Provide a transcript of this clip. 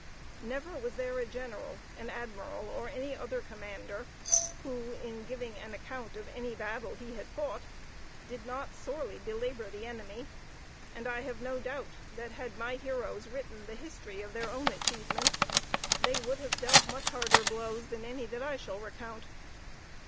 Never was there a general, an admiral, or any other commander, who, in giving an account of any battle he had fought, did not sorely belabor the enemy; and I have no doubt that, had my heroes written the history of their own achievements, they would have dealt much harder blows than any that I shall recount.